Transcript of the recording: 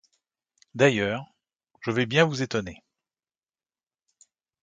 D’ailleurs, je vais bien vous étonner...